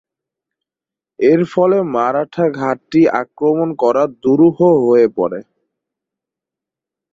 এর ফলে মারাঠা ঘাঁটি আক্রমণ করা দুরূহ হয়ে পড়ে।